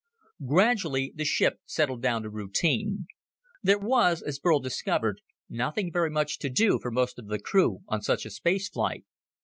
_ Gradually the ship settled down to routine. There was, as Burl discovered, nothing very much to do for most of the crew on such a space flight.